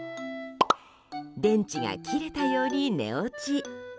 電池が切れたように寝落ち。